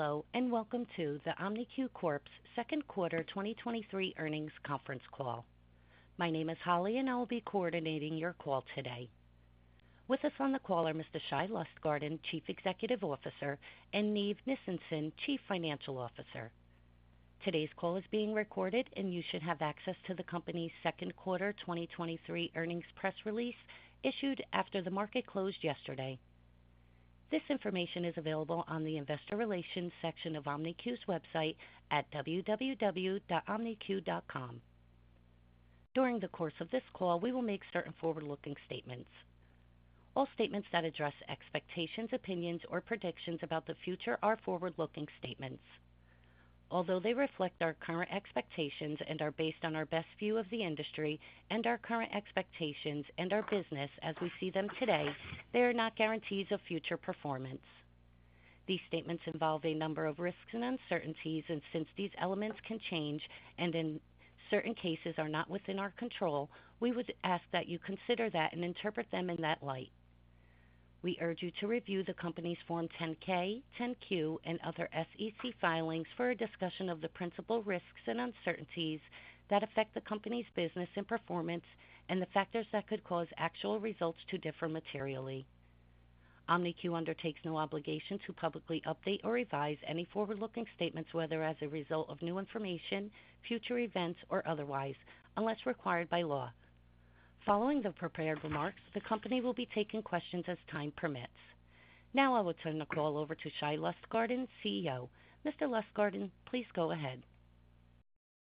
Hello, and welcome to the OMNIQ Corp's Second Quarter 2023 Earnings Conference Call. My name is Holly, and I will be coordinating your call today. With us on the call are Mr. Shai Lustgarten, Chief Executive Officer, and Neev Nissenson, Chief Financial Officer. Today's call is being recorded, and you should have access to the company's second quarter 2023 earnings press release issued after the market closed yesterday. This information is available on the Investor Relations section of OMNIQ's website at www.omniq.com. During the course of this call, we will make certain forward-looking statements. All statements that address expectations, opinions, or predictions about the future are forward-looking statements. Although they reflect our current expectations and are based on our best view of the industry and our current expectations and our business as we see them today, they are not guarantees of future performance. These statements involve a number of risks and uncertainties, and since these elements can change and in certain cases are not within our control, we would ask that you consider that and interpret them in that light. We urge you to review the Company's Form 10-K, 10-Q, and other SEC filings for a discussion of the principal risks and uncertainties that affect the company's business and performance and the factors that could cause actual results to differ materially. OMNIQ undertakes no obligation to publicly update or revise any forward-looking statements, whether as a result of new information, future events, or otherwise, unless required by law. Following the prepared remarks, the company will be taking questions as time permits. Now I will turn the call over to Shai Lustgarten, CEO. Mr. Lustgarten, please go ahead.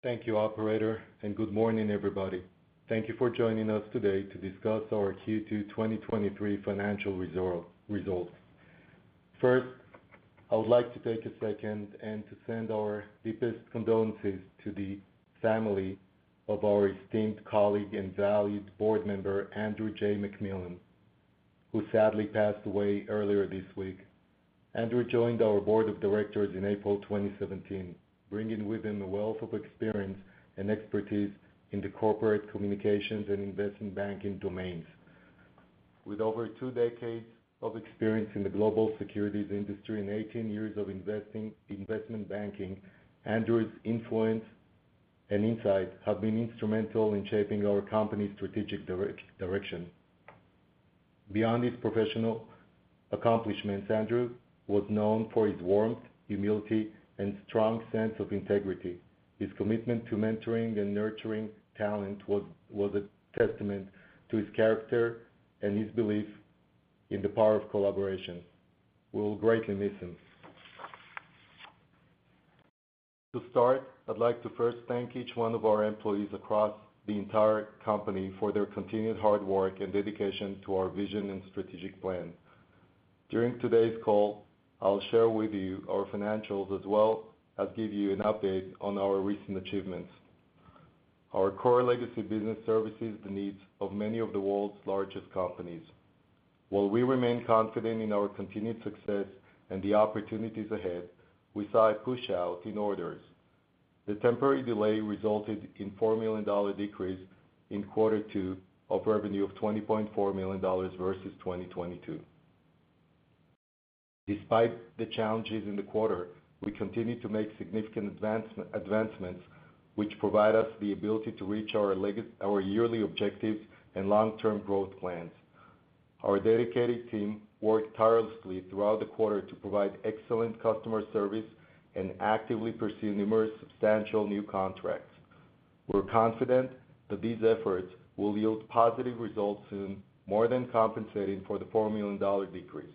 Thank you, operator, and good morning, everybody. Thank you for joining us today to discuss our Q2 2023 financial results. First, I would like to take a second and to send our deepest condolences to the family of our esteemed colleague and valued board member, Andrew J. MacMillan, who sadly passed away earlier this week. Andrew joined our board of directors in April 2017, bringing with him a wealth of experience and expertise in the corporate communications and investment banking domains. With over two decades of experience in the global securities industry and 18 years of investment banking, Andrew's influence and insight have been instrumental in shaping our company's strategic direction. Beyond his professional accomplishments, Andrew was known for his warmth, humility, and strong sense of integrity. His commitment to mentoring and nurturing talent was a testament to his character and his belief in the power of collaboration. We will greatly miss him. To start, I'd like to first thank each one of our employees across the entire company for their continued hard work and dedication to our vision and strategic plan. During today's call, I'll share with you our financials, as well as give you an update on our recent achievements. Our core legacy business services the needs of many of the world's largest companies. While we remain confident in our continued success and the opportunities ahead, we saw a push-out in orders. The temporary delay resulted in a $4 million decrease in quarter two of revenue of $20.4 million versus 2022. Despite the challenges in the quarter, we continue to make significant advancements, which provide us the ability to reach our yearly objectives and long-term growth plans. Our dedicated team worked tirelessly throughout the quarter to provide excellent customer service and actively pursue numerous substantial new contracts. We're confident that these efforts will yield positive results soon, more than compensating for the $4 million decrease.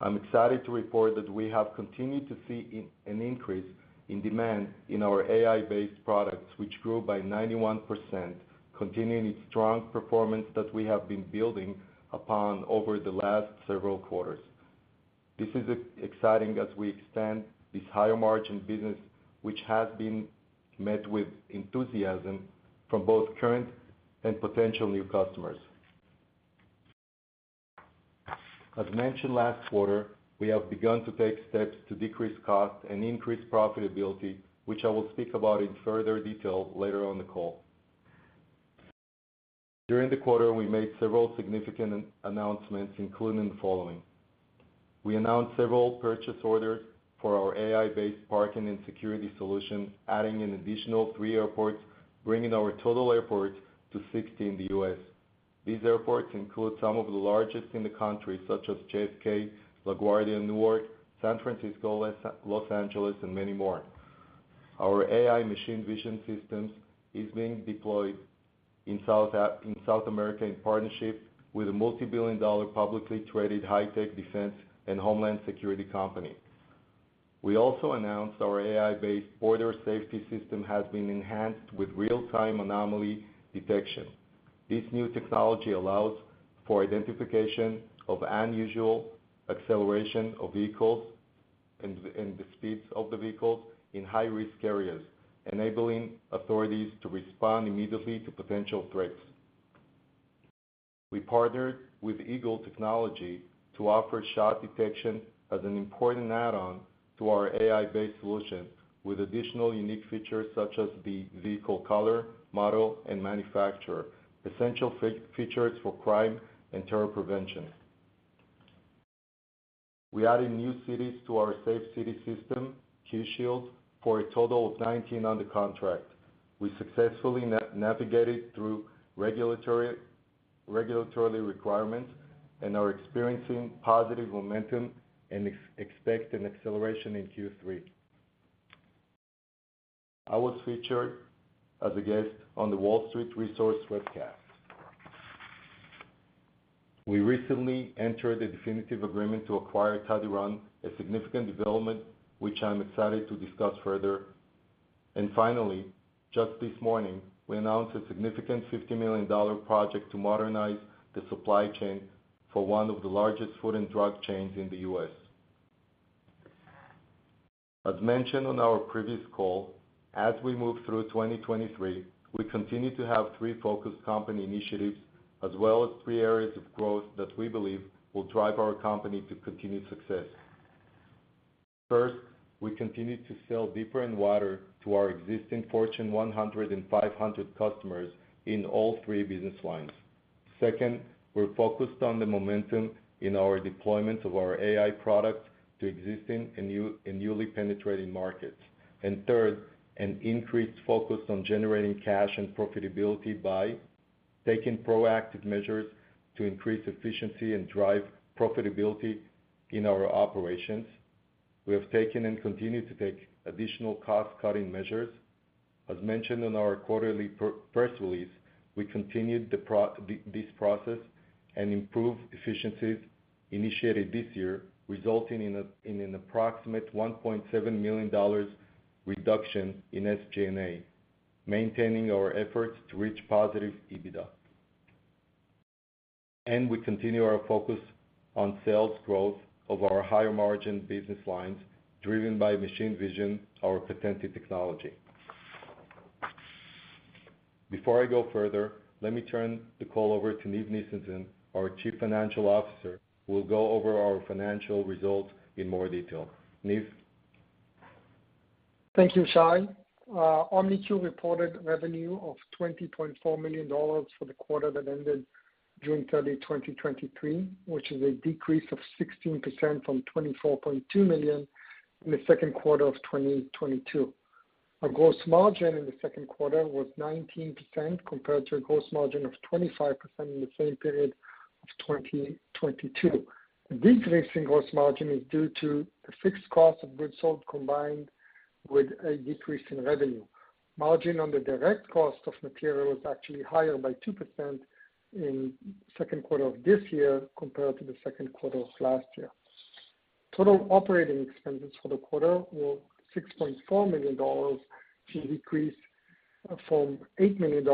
I'm excited to report that we have continued to see an increase in demand in our AI-based products, which grew by 91%, continuing its strong performance that we have been building upon over the last several quarters. This is exciting as we expand this higher-margin business, which has been met with enthusiasm from both current and potential new customers. As mentioned last quarter, we have begun to take steps to decrease cost and increase profitability, which I will speak about in further detail later on the call. During the quarter, we made several significant announcements, including the following. We announced several purchase orders for our AI-based parking and security solution, adding an additional three airports, bringing our total airports to 60 in the U.S. These airports include some of the largest in the country, such as JFK, LaGuardia and Newark, San Francisco, Los Angeles, and many more. Our AI machine vision systems is being deployed in South America, in partnership with a multibillion-dollar, publicly traded, high-tech defense and homeland security company. We also announced our AI-based border safety system has been enhanced with real-time anomaly detection. This new technology allows for identification of unusual acceleration of vehicles and the speeds of the vehicles in high-risk areas, enabling authorities to respond immediately to potential threats. We partnered with EAGL Technology to offer shot detection as an important add-on to our AI-based solution, with additional unique features such as the vehicle color, model, and manufacturer, essential features for crime and terror prevention. We added new cities to our safe city system, QShield, for a total of 19 under contract. We successfully navigated through regulatory requirements and are experiencing positive momentum and expect an acceleration in Q3. I was featured as a guest on The Wall Street Resource webcast. We recently entered a definitive agreement to acquire Tadiran, a significant development, which I'm excited to discuss further. Finally, just this morning, we announced a significant $50 million project to modernize the supply chain for one of the largest food and drug chains in the U.S. As mentioned on our previous call, as we move through 2023, we continue to have three focused company initiatives, as well as three areas of growth that we believe will drive our company to continued success. First, we continue to sell deeper and wider to our existing Fortune 100 and Fortune 500 customers in all three business lines. Second, we're focused on the momentum in our deployment of our AI product to existing and newly penetrating markets. Third, an increased focus on generating cash and profitability by taking proactive measures to increase efficiency and drive profitability in our operations. We have taken and continue to take additional cost-cutting measures. As mentioned in our quarterly press release, we continued this process and improved efficiencies initiated this year, resulting in an approximate $1.7 million reduction in SG&A, maintaining our efforts to reach positive EBITDA. We continue our focus on sales growth of our higher-margin business lines, driven by machine vision, our patented technology. Before I go further, let me turn the call over to Neev Nissenson, our Chief Financial Officer, who will go over our financial results in more detail. Neev? Thank you, Shai. OMNIQ reported revenue of $20.4 million for the quarter that ended June 30, 2023, which is a decrease of 16% from $24.2 million in the second quarter of 2022. Our gross margin in the second quarter was 19%, compared to a gross margin of 25% in the same period of 2022. The decrease in gross margin is due to the fixed cost of goods sold, combined with a decrease in revenue. Margin on the direct cost of material was actually higher by 2% in second quarter of this year compared to the second quarter of last year. Total operating expenses for the quarter were $6.4 million, a decrease from $8 million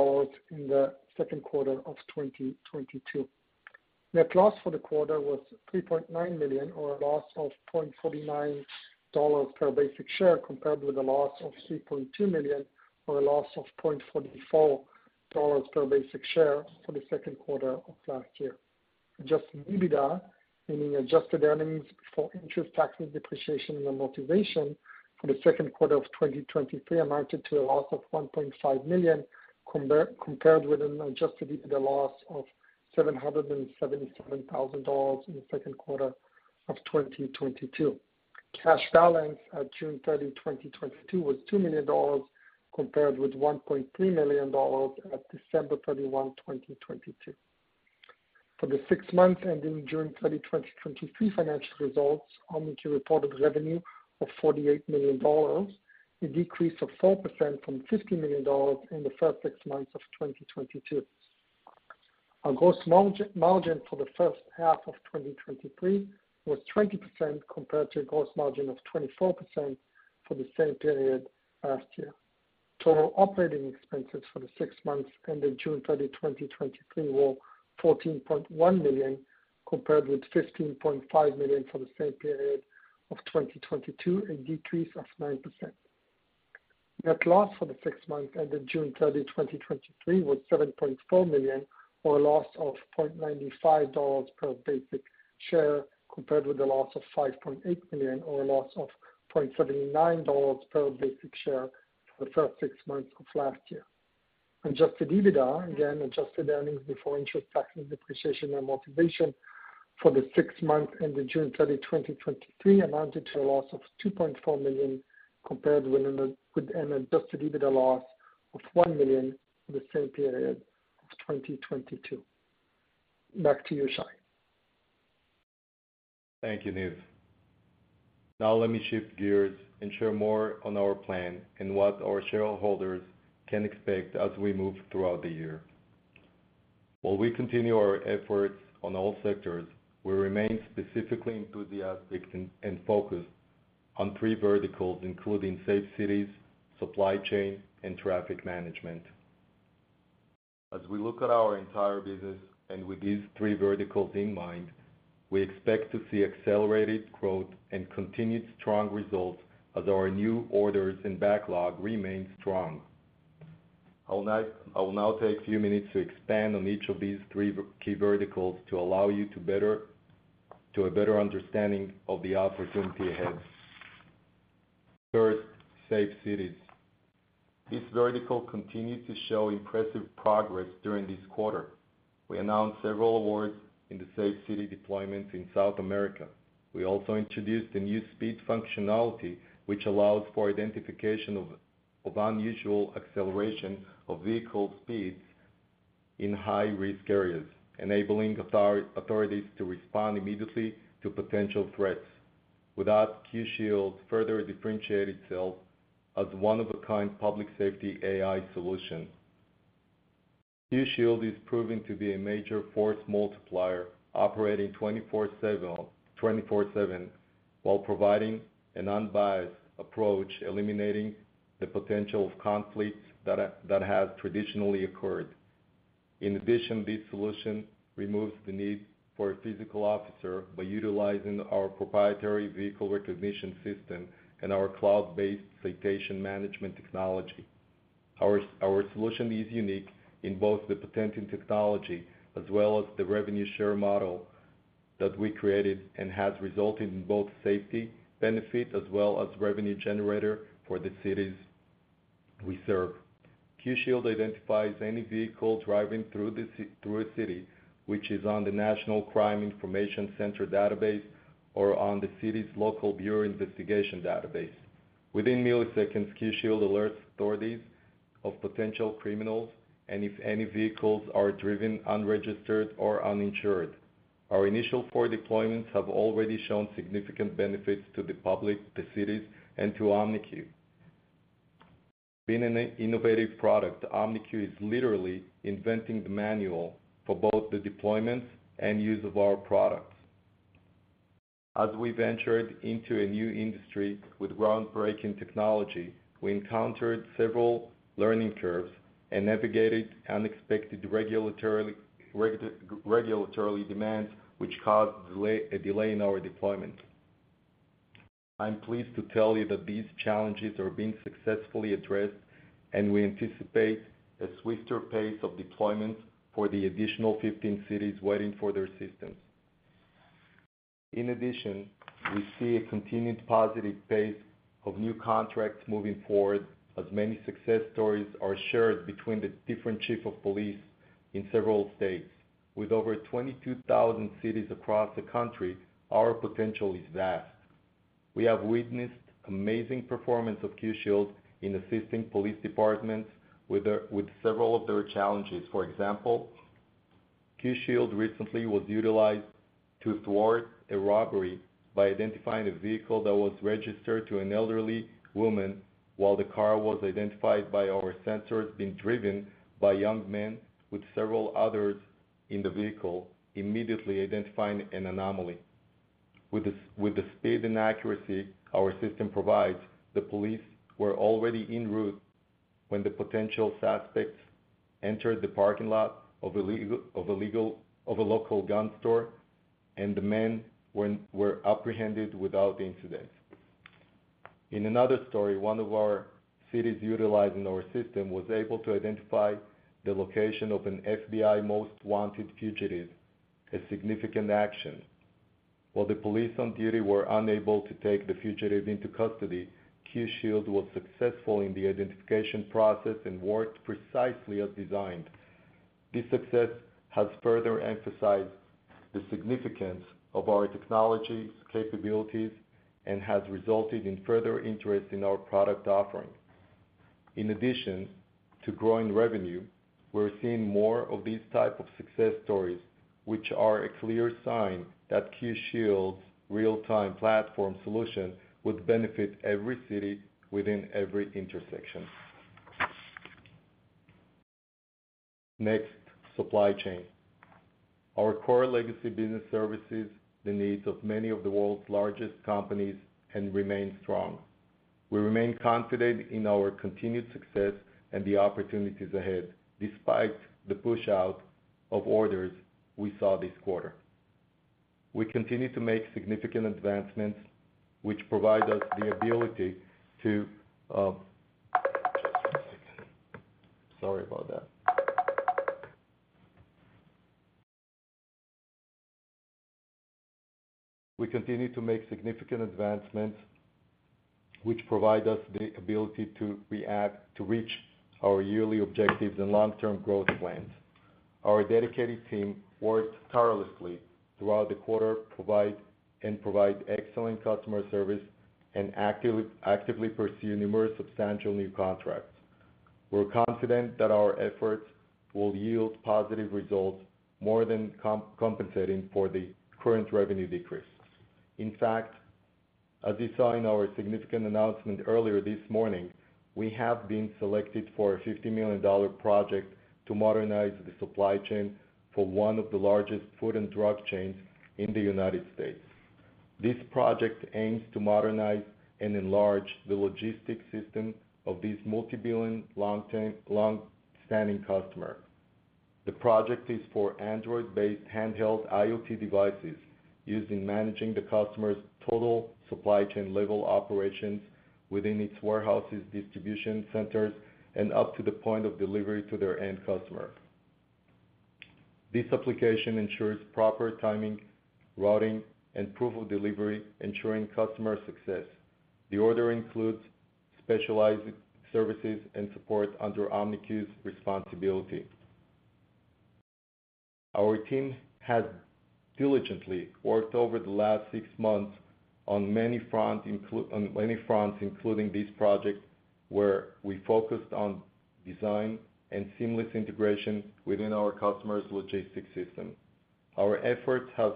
in the second quarter of 2022. Net loss for the quarter was $3.9 million, or a loss of $0.49 per basic share, compared with a loss of $3.2 million, or a loss of $0.44 per basic share for the second quarter of last year. Adjusted EBITDA, meaning adjusted earnings before interest, taxes, depreciation, and amortization for the second quarter of 2023, amounted to a loss of $1.5 million, compared with an Adjusted EBITDA loss of $777,000 in the second quarter of 2022. Cash balance at June 30, 2022, was $2 million, compared with $1.3 million at December 31, 2022. For the six months ending June 30, 2023, financial results, OMNIQ reported revenue of $48 million, a decrease of 4% from $50 million in the first six months of 2022. Our gross margin for the first half of 2023 was 20%, compared to a gross margin of 24% for the same period last year. Total operating expenses for the six months ended June 30, 2023, were $14.1 million, compared with $15.5 million for the same period of 2022, a decrease of 9%. Net loss for the six months ended June 30, 2023, was $7.4 million, or a loss of $0.95 per basic share, compared with a loss of $5.8 million or a loss of $0.79 per basic share for the first six months of last year. Adjusted EBITDA, again, adjusted earnings before interest, taxes, depreciation, and amortization for the six months ended June 30, 2023, amounted to a loss of $2.4 million, compared with an Adjusted EBITDA loss of $1 million for the same period of 2022. Back to you, Shai. Thank you, Neev. Now let me shift gears and share more on our plan and what our shareholders can expect as we move throughout the year. While we continue our efforts on all sectors, we remain specifically enthusiastic and focused on three verticals, including safe cities, supply chain, and traffic management. As we look at our entire business and with these three verticals in mind, we expect to see accelerated growth and continued strong results as our new orders and backlog remain strong. I'll now, I will now take a few minutes to expand on each of these three key verticals to allow you to a better understanding of the opportunity ahead. First, safe cities. This vertical continued to show impressive progress during this quarter. We announced several awards in the safe city deployments in South America. We also introduced a new speed functionality, which allows for identification of unusual acceleration of vehicle speeds in high-risk areas, enabling authorities to respond immediately to potential threats. With that, QShield further differentiate itself as one of a kind public safety AI solution. QShield is proving to be a major force multiplier, operating 24/7, 24/7, while providing an unbiased approach, eliminating the potential of conflicts that has traditionally occurred. In addition, this solution removes the need for a physical officer by utilizing our proprietary vehicle recognition system and our cloud-based citation management technology. Our solution is unique in both the potential technology as well as the revenue share model that we created and has resulted in both safety benefits as well as revenue generator for the cities we serve. QShield identifies any vehicle driving through a city, which is on the National Crime Information Center database or on the city's local bureau investigation database. Within milliseconds, QShield alerts authorities of potential criminals and if any vehicles are driven unregistered or uninsured. Our initial four deployments have already shown significant benefits to the public, the cities, and to OMNIQ. Being an innovative product, OMNIQ is literally inventing the manual for both the deployments and use of our products. As we ventured into a new industry with groundbreaking technology, we encountered several learning curves and navigated unexpected regulatory, regulatory demands, which caused delay, a delay in our deployment. I'm pleased to tell you that these challenges are being successfully addressed, and we anticipate a swifter pace of deployments for the additional 15 cities waiting for their systems. In addition, we see a continued positive pace of new contracts moving forward, as many success stories are shared between the different chief of police in several states. With over 22,000 cities across the country, our potential is vast. We have witnessed amazing performance of QShield in assisting police departments with several of their challenges. For example, QShield recently was utilized to thwart a robbery by identifying a vehicle that was registered to an elderly woman, while the car was identified by our sensors being driven by young men with several others in the vehicle, immediately identifying an anomaly. With the speed and accuracy our system provides, the police were already en route when the potential suspects entered the parking lot of a local gun store, and the men were apprehended without incident. In another story, one of our cities utilizing our system was able to identify the location of an FBI Most Wanted fugitive, a significant action. While the police on duty were unable to take the fugitive into custody, QShield was successful in the identification process and worked precisely as designed. This success has further emphasized the significance of our technology's capabilities and has resulted in further interest in our product offerings. In addition to growing revenue, we're seeing more of these type of success stories, which are a clear sign that QShield's real-time platform solution would benefit every city within every intersection. Next, supply chain. Our core legacy business services, the needs of many of the world's largest companies, and remain strong. We remain confident in our continued success and the opportunities ahead, despite the push out of orders we saw this quarter. We continue to make significant advancements, which provide us the ability to, Sorry about that. We continue to make significant advancements, which provide us the ability to react, to reach our yearly objectives and long-term growth plans. Our dedicated team worked tirelessly throughout the quarter, and provide excellent customer service, and actively pursue numerous substantial new contracts. We're confident that our efforts will yield positive results, more than compensating for the current revenue decrease. In fact, as you saw in our significant announcement earlier this morning, we have been selected for a $50 million project to modernize the supply chain for one of the largest food and drug chains in the United States. This project aims to modernize and enlarge the logistics system of this multi-billion, long-term, long-standing customer. The project is for Android-based handheld IoT devices used in managing the customer's total supply chain level operations within its warehouses, distribution centers, and up to the point of delivery to their end customer. This application ensures proper timing, routing, and proof of delivery, ensuring customer success. The order includes specialized services and support under OMNIQ's responsibility. Our team has diligently worked over the last six months on many fronts, including this project, where we focused on design and seamless integration within our customer's logistics system. Our efforts have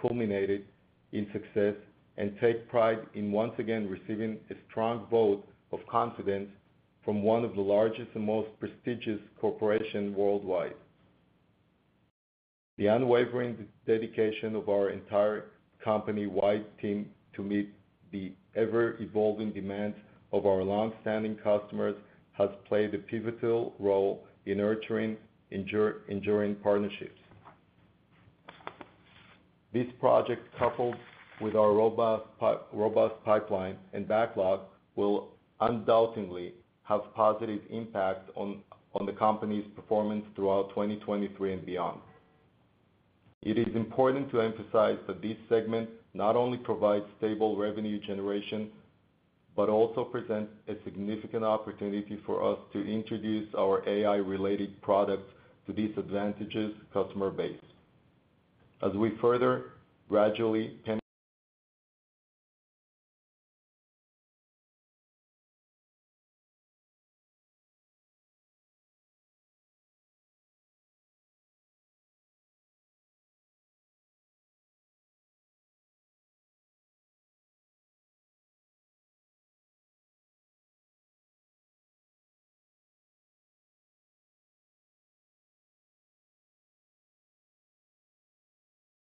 culminated in success and take pride in once again receiving a strong vote of confidence from one of the largest and most prestigious corporation worldwide. The unwavering dedication of our entire company-wide team to meet the ever-evolving demands of our long-standing customers has played a pivotal role in nurturing endure, enduring partnerships. This project, coupled with our robust pipeline and backlog, will undoubtedly have positive impact on the company's performance throughout 2023 and beyond. It is important to emphasize that this segment not only provides stable revenue generation, but also presents a significant opportunity for us to introduce our AI-related products to this advantageous customer base. As we further gradually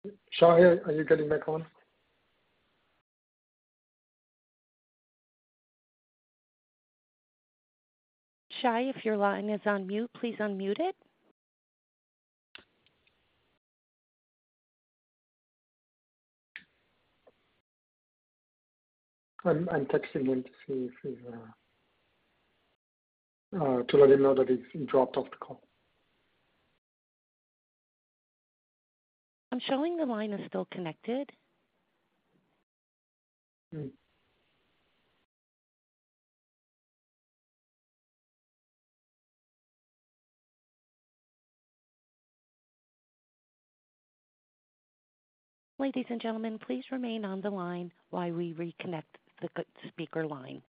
penetrate- Shai, are you getting back on? Shai, if your line is on mute, please unmute it. I'm, I'm texting him to see if he's to let him know that he's dropped off the call. I'm showing the line is still connected. Hmm. Ladies and gentlemen, please remain on the line while we reconnect the speaker line.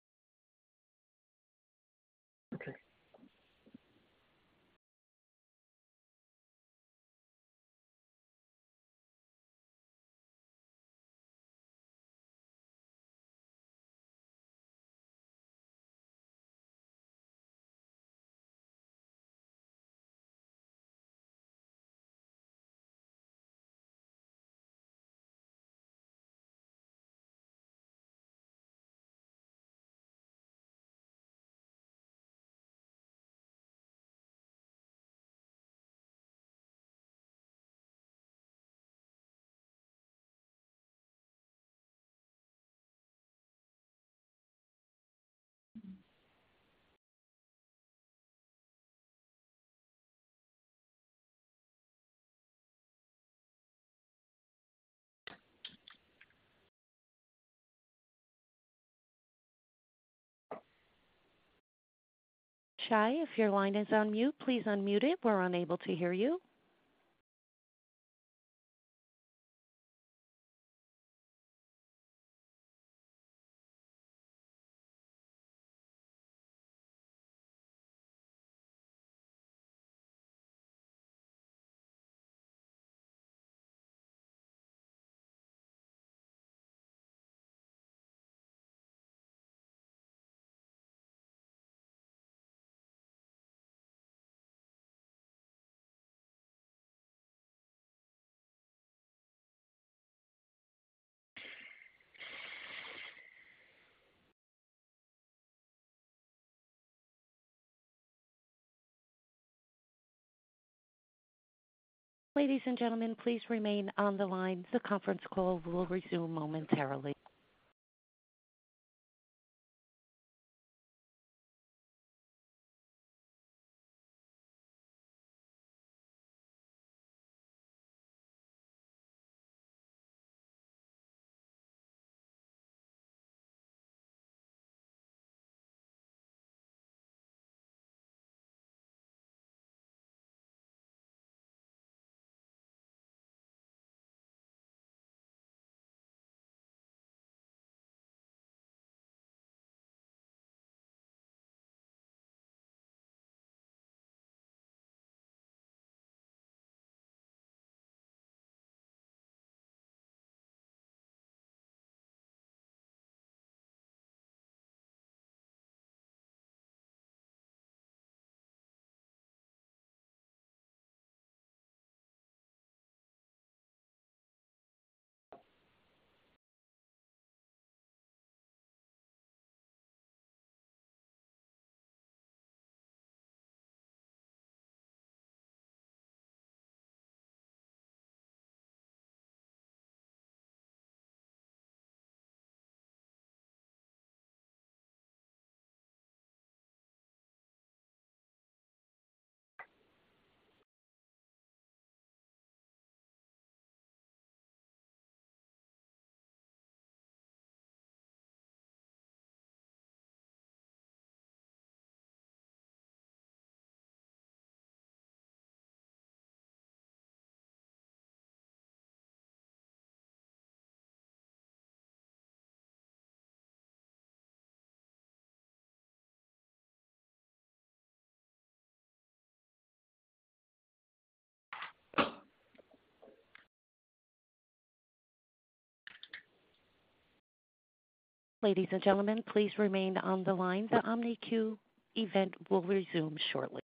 Okay. Shai, if your line is on mute, please unmute it. We're unable to hear you. Ladies and gentlemen, please remain on the line. The conference call will resume momentarily. Ladies and gentlemen, please remain on the line. The OMNIQ event will resume shortly.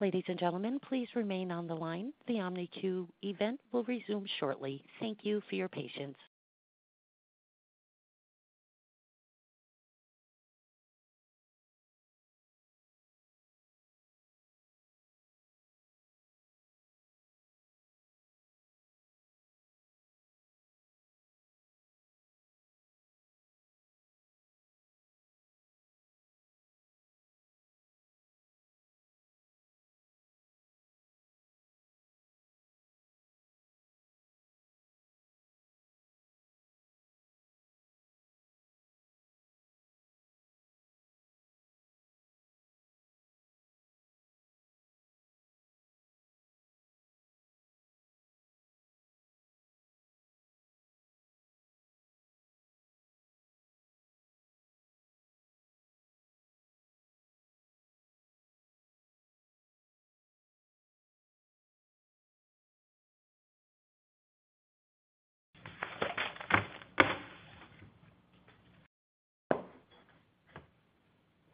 Ladies and gentlemen, please remain on the line. The OMNIQ event will resume shortly. Thank you for your patience.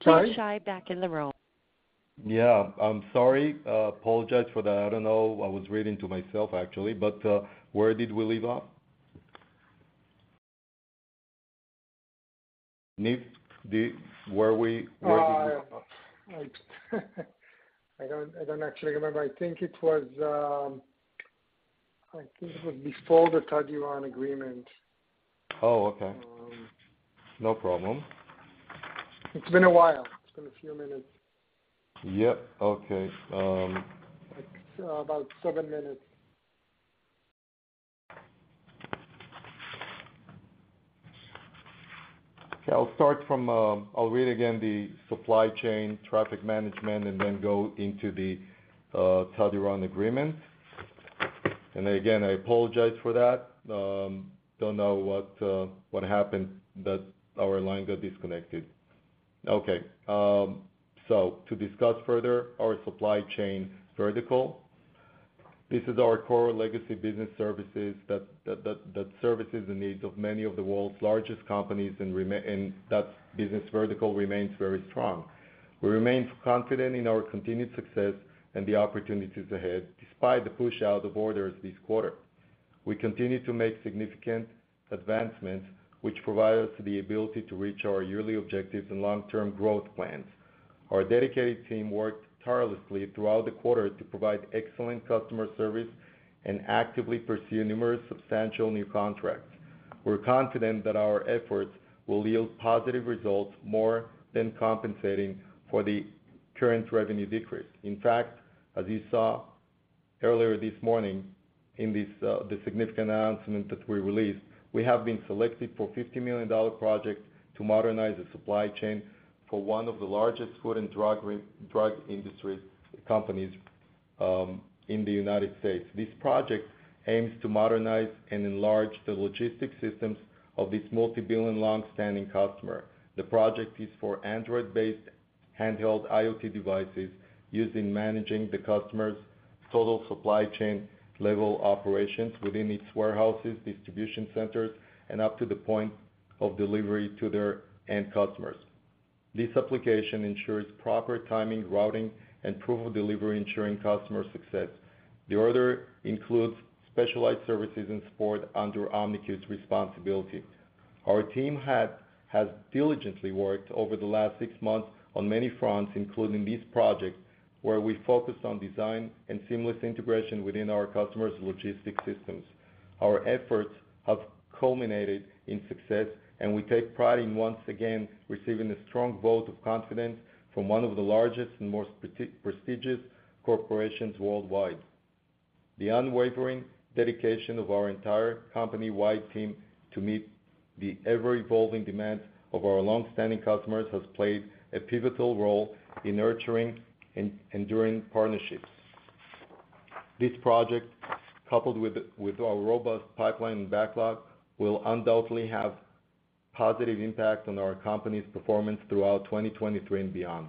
Josh Shai, back in the room. Yeah, I'm sorry. Apologize for that. I don't know. I was reading to myself, actually, but, where did we leave off? Need the... Where we, where did we- I don't, I don't actually remember. I think it was, I think it was before the Tadiran agreement. Oh, okay. Um. No problem. It's been a while. It's been a few minutes. Yep. Okay. Like, about seven minutes. Okay. I'll start from, I'll read again the supply chain traffic management and then go into the Tadiran agreement. Again, I apologize for that. Don't know what happened that our line got disconnected. Okay. To discuss further our supply chain vertical. This is our core legacy business services that services the needs of many of the world's largest companies, and that business vertical remains very strong. We remain confident in our continued success and the opportunities ahead, despite the push out of orders this quarter. We continue to make significant advancements, which provide us the ability to reach our yearly objectives and long-term growth plans. Our dedicated team worked tirelessly throughout the quarter to provide excellent customer service and actively pursue numerous substantial new contracts. We're confident that our efforts will yield positive results, more than compensating for the current revenue decrease. In fact, as you saw earlier this morning in this, the significant announcement that we released, we have been selected for a $50 million project to modernize the supply chain for one of the largest food and drug industry companies in the United States. This project aims to modernize and enlarge the logistics systems of this multi-billion long-standing customer. The project is for Android-based handheld IoT devices, using managing the customer's total supply chain level operations within its warehouses, distribution centers, and up to the point of delivery to their end customers. This application ensures proper timing, routing, and proof of delivery, ensuring customer success. The order includes specialized services and support under OMNIQ's responsibility. Our team has diligently worked over the last six months on many fronts, including this project. Where we focus on design and seamless integration within our customers' logistics systems. Our efforts have culminated in success, and we take pride in once again receiving a strong vote of confidence from one of the largest and most prestigious corporations worldwide. The unwavering dedication of our entire company-wide team to meet the ever-evolving demands of our long-standing customers has played a pivotal role in nurturing and enduring partnerships. This project, coupled with our robust pipeline and backlog, will undoubtedly have positive impact on our company's performance throughout 2023 and beyond.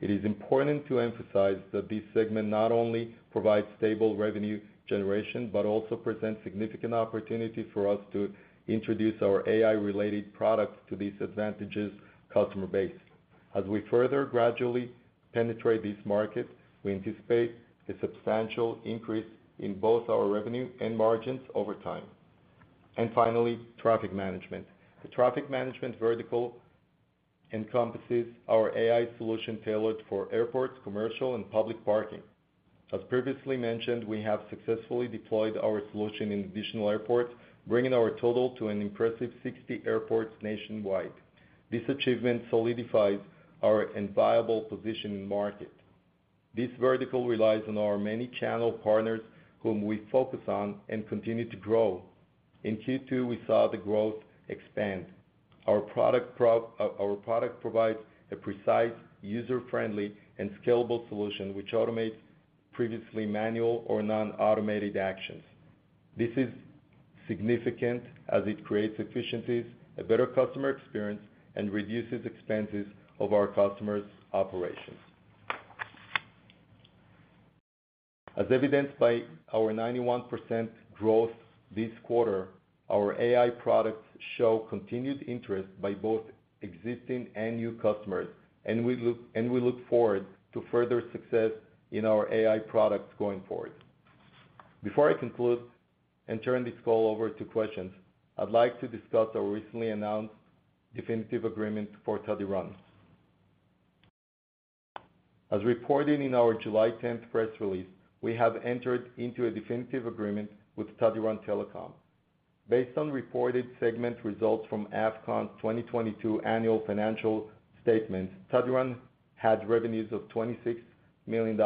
It is important to emphasize that this segment not only provides stable revenue generation, but also presents significant opportunity for us to introduce our AI-related products to these advantages customer base. We further gradually penetrate this market, we anticipate a substantial increase in both our revenue and margins over time. Finally, traffic management. The traffic management vertical encompasses our AI solution tailored for airports, commercial, and public parking. As previously mentioned, we have successfully deployed our solution in additional airports, bringing our total to an impressive 60 airports nationwide. This achievement solidifies our enviable position in the market. This vertical relies on our many channel partners whom we focus on and continue to grow. In Q2, we saw the growth expand. Our product provides a precise, user-friendly, and scalable solution, which automates previously manual or non-automated actions. This is significant as it creates efficiencies, a better customer experience, and reduces expenses of our customers' operations. As evidenced by our 91% growth this quarter, our AI products show continued interest by both existing and new customers, and we look forward to further success in our AI products going forward. Before I conclude and turn this call over to questions, I'd like to discuss our recently announced definitive agreement for Tadiran. As reported in our July 10th press release, we have entered into a definitive agreement with Tadiran Telecom. Based on reported segment results from Afcon's 2022 annual financial statements, Tadiran had revenues of $26 million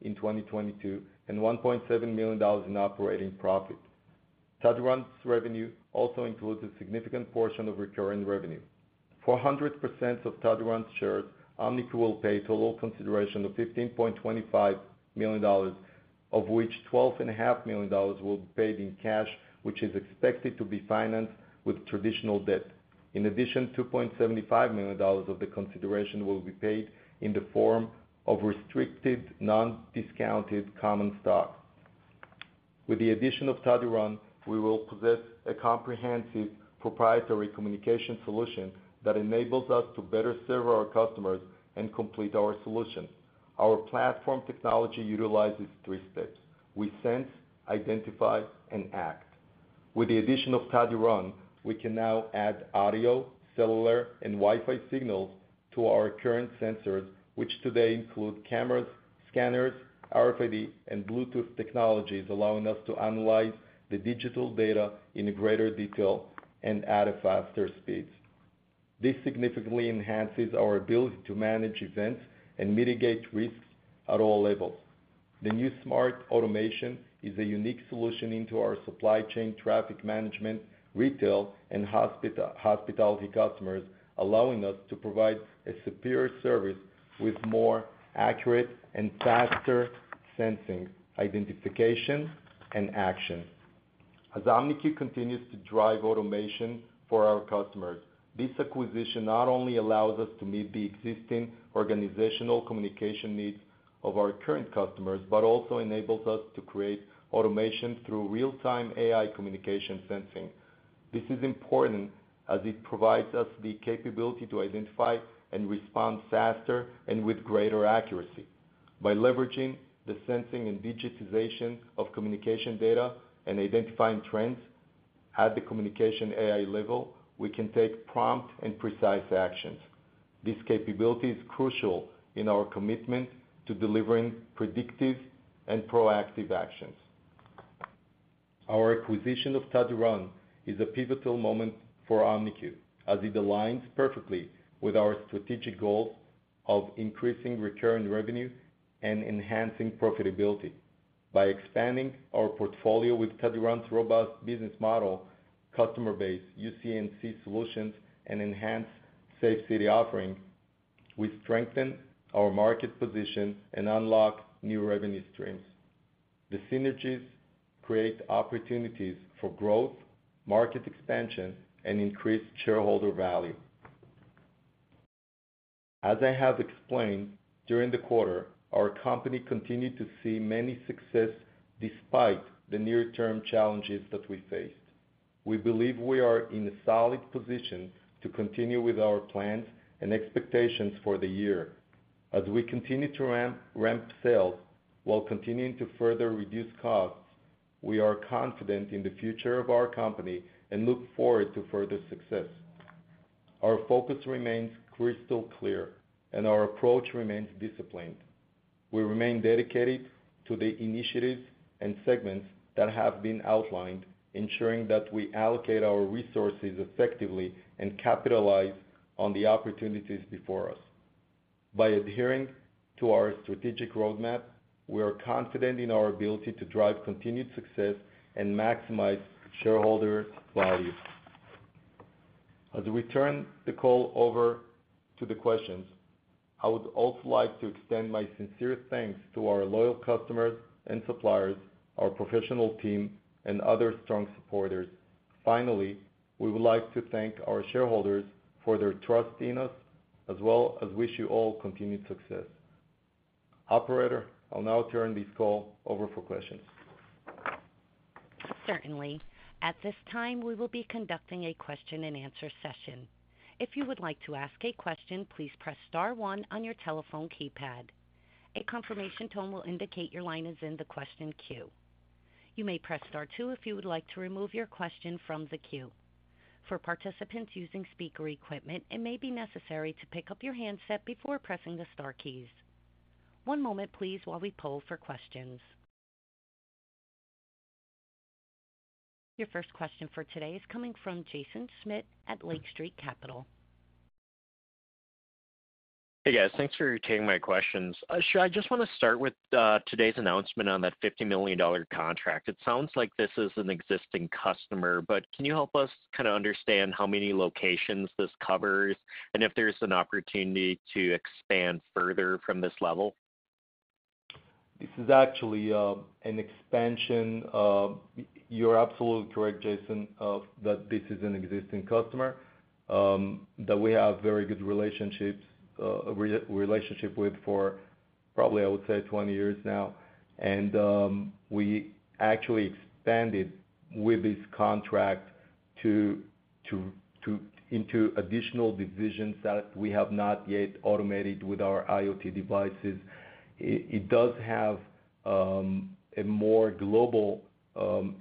in 2022 and $1.7 million in operating profit. Tadiran's revenue also includes a significant portion of recurring revenue. For 100% of Tadiran's shares, OMNIQ will pay total consideration of $15.25 million, of which $12.5 million will be paid in cash, which is expected to be financed with traditional debt. In addition, $2.75 million of the consideration will be paid in the form of restricted, non-discounted common stock. With the addition of Tadiran, we will possess a comprehensive proprietary communication solution that enables us to better serve our customers and complete our solutions. Our platform technology utilizes three steps: We sense, identify, and act. With the addition of Tadiran, we can now add audio, cellular, and Wi-Fi signals to our current sensors, which today include cameras, scanners, RFID, and Bluetooth technologies, allowing us to analyze the digital data in a greater detail and at a faster speeds. This significantly enhances our ability to manage events and mitigate risks at all levels. The new smart automation is a unique solution into our supply chain, traffic management, retail, and hospitality customers, allowing us to provide a superior service with more accurate and faster sensing, identification, and action. As OMNIQ continues to drive automation for our customers, this acquisition not only allows us to meet the existing organizational communication needs of our current customers, but also enables us to create automation through real-time AI communication sensing. This is important as it provides us the capability to identify and respond faster and with greater accuracy. By leveraging the sensing and digitization of communication data and identifying trends at the communication AI level, we can take prompt and precise actions. This capability is crucial in our commitment to delivering predictive and proactive actions. Our acquisition of Tadiran is a pivotal moment for OMNIQ, as it aligns perfectly with our strategic goals of increasing recurring revenue and enhancing profitability. By expanding our portfolio with Tadiran's robust business model, customer base, UC&C solutions, and enhanced safe city offering, we strengthen our market position and unlock new revenue streams. The synergies create opportunities for growth, market expansion, and increased shareholder value. As I have explained, during the quarter, our company continued to see many success despite the near-term challenges that we faced. We believe we are in a solid position to continue with our plans and expectations for the year. As we continue to ramp sales while continuing to further reduce costs, we are confident in the future of our company and look forward to further success. Our focus remains crystal clear, and our approach remains disciplined. We remain dedicated to the initiatives and segments that have been outlined, ensuring that we allocate our resources effectively and capitalize on the opportunities before us. By adhering to our strategic roadmap, we are confident in our ability to drive continued success and maximize shareholder value. As we turn the call over to the questions, I would also like to extend my sincere thanks to our loyal customers and suppliers, our professional team, and other strong supporters. Finally, we would like to thank our shareholders for their trust in us, as well as wish you all continued success. Operator, I'll now turn this call over for questions. Certainly. At this time, we will be conducting a question-and-answer session. If you would like to ask a question, please press star one on your telephone keypad. A confirmation tone will indicate your line is in the question queue. You may press star two if you would like to remove your question from the queue. For participants using speaker equipment, it may be necessary to pick up your handset before pressing the star keys. One moment please, while we poll for questions. Your first question for today is coming from Jaeson Schmidt at Lake Street Capital. Hey, guys. Thanks for taking my questions. Shai, I just want to start with today's announcement on that $50 million contract. It sounds like this is an existing customer, but can you help us kind of understand how many locations this covers, and if there's an opportunity to expand further from this level? This is actually an expansion. You're absolutely correct, Jason, that this is an existing customer that we have very good relationships, re-relationship with for probably, I would say, 20 years now. We actually expanded with this contract to, into additional divisions that we have not yet automated with our IoT devices. It, it does have a more global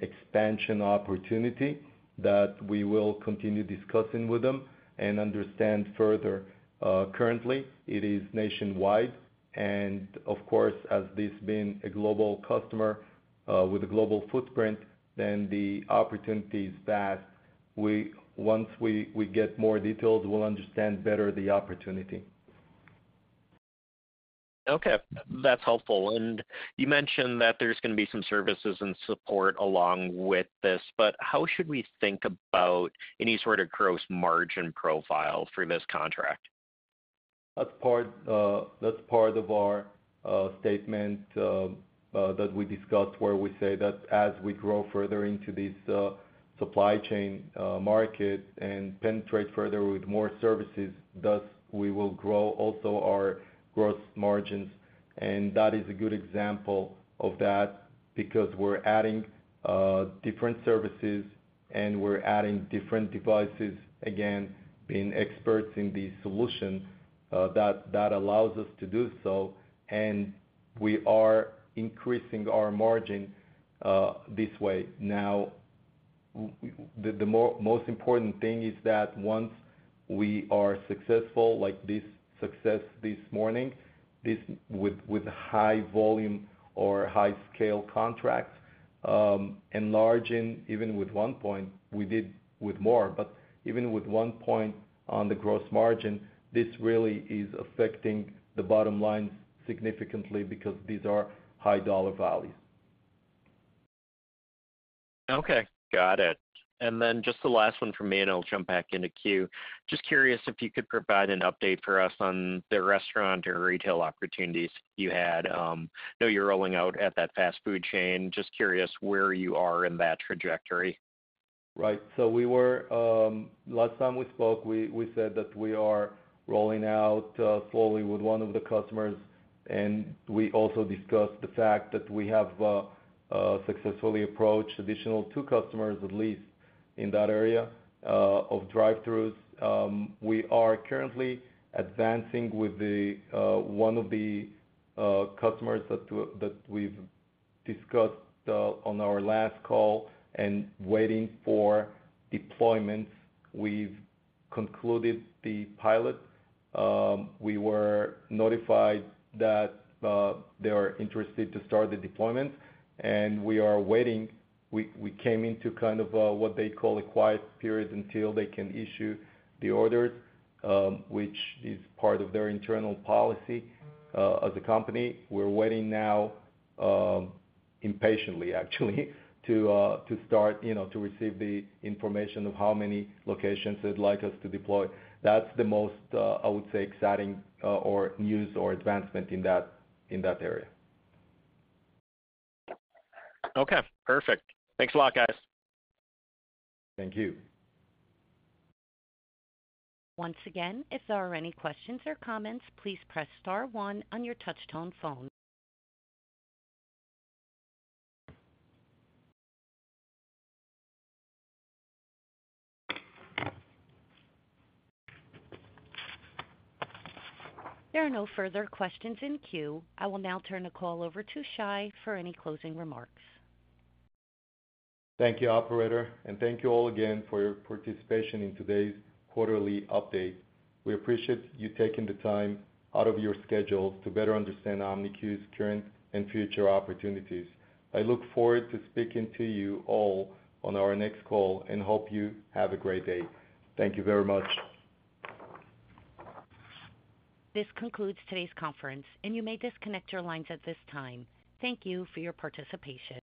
expansion opportunity that we will continue discussing with them and understand further. Currently, it is nationwide, and of course, as this being a global customer with a global footprint, then the opportunities that we - once we, we get more details, we'll understand better the opportunity. Okay, that's helpful. You mentioned that there's gonna be some services and support along with this, but how should we think about any sort of gross margin profile for this contract? That's part, that's part of our statement that we discussed, where we say that as we grow further into this supply chain market and penetrate further with more services, thus, we will grow also our gross margins. That is a good example of that, because we're adding different services, and we're adding different devices. Again, being experts in these solutions, that allows us to do so, and we are increasing our margin this way. The most important thing is that once we are successful, like this success this morning, this with high volume or high scale contracts, enlarging even with one point, we did with more. Even with one point on the gross margin, this really is affecting the bottom line significantly because these are high dollar values. Okay, got it. Then just the last one from me, and I'll jump back into queue. Just curious if you could provide an update for us on the restaurant or retail opportunities you had. I know you're rolling out at that fast food chain. Just curious where you are in that trajectory. Right. Last time we spoke, we said that we are rolling out slowly with one of the customers, and we also discussed the fact that we have successfully approached additional two customers, at least in that area of drive-throughs. We are currently advancing with the one of the customers that we've discussed on our last call and waiting for deployments. We've concluded the pilot. We were notified that they are interested to start the deployment, and we are waiting. We came into kind of what they call a quiet period, until they can issue the orders, which is part of their internal policy as a company. We're waiting now, impatiently, actually, to start, you know, to receive the information of how many locations they'd like us to deploy. That's the most, I would say, exciting, or news or advancement in that, in that area. Okay, perfect. Thanks a lot, guys. Thank you. Once again, if there are any questions or comments, please press star one on your touchtone phone. There are no further questions in queue. I will now turn the call over to Shai for any closing remarks. Thank you, operator. Thank you all again for your participation in today's quarterly update. We appreciate you taking the time out of your schedules to better understand OMNIQ's current and future opportunities. I look forward to speaking to you all on our next call and hope you have a great day. Thank you very much. This concludes today's conference, and you may disconnect your lines at this time. Thank you for your participation.